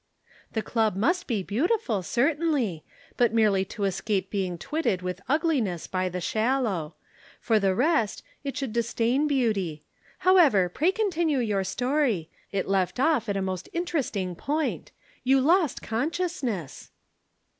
"The Club must be beautiful, certainly, but merely to escape being twitted with ugliness by the shallow; for the rest, it should disdain beauty. However, pray continue your story. It left off at a most interesting point. You lost consciousness!"